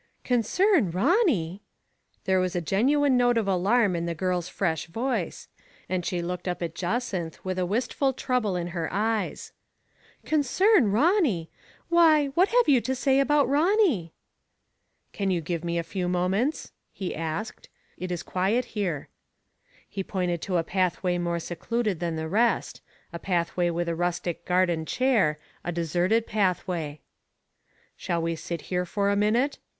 " Concern Ronny !'* There was a genuine note of alarm in the girl's fresh voice, and she looked up at Jacynth with a wistful trouble in her eyes. " Concern Ronny ! Why, what have you to say about Ronny ?"" Can you give me a few moments ?" he asked. " It is quiet here.*' He pointed to a pathway more secluded than the rest, a pathway with a rustic garden chair, a deserted pathway. Shall we sit here for a minute